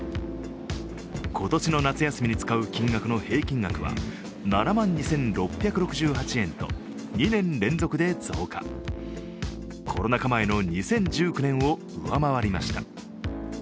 今年の夏休みに使う金額の平均額は７万２６６８円と、２年連続で増加、コロナ禍前の２０１９年を上回りました。